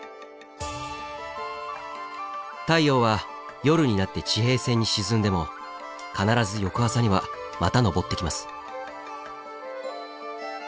太陽は夜になって地平線に沈んでも必ず翌朝にはまた昇ってきます。